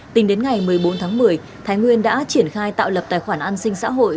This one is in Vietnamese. tính đến ngày một mươi bốn tháng một mươi thái nguyên đã triển khai tạo lập tài khoản an sinh xã hội